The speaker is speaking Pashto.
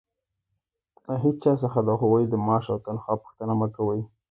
له هيچا څخه د هغوى د معاش او تنخوا پوښتنه مه کوئ!